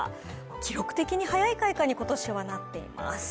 記録的に早い開花に今年はなっています。